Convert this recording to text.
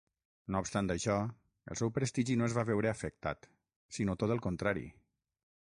No obstant això, el seu prestigi no es va veure afectat, sinó tot el contrari.